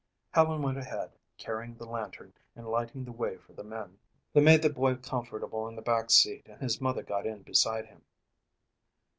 Helen went ahead, carrying the lantern and lighting the way for the men. They made the boy comfortable in the back seat and his mother got in beside him.